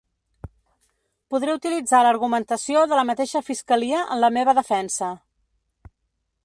Podré utilitzar l’argumentació de la mateixa fiscalia en la meva defensa.